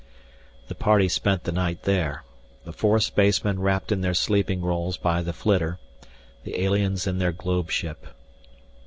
The party spent the night there, the four spacemen wrapped in their sleeping rolls by the flitter, the aliens in their globe ship.